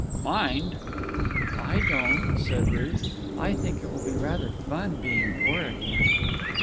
"Mind!" "I don't," said Ruth. "I think it will be rather fun being poor again."